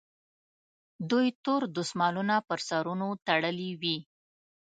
دوی تور دستمالونه پر سرونو تړلي وي.